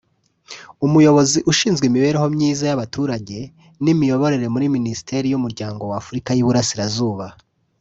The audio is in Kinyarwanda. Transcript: umuyobozi ushinzwe imibereho myiza y’abaturage n’imiyoborere muri Minisiteri y’umuryango w’ Afurika y’Iburasirazuba